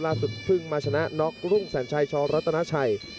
ล่าสุดเพิ่งมาชนะน็อกรุ่งแสนชัยช้อรัตนาชัย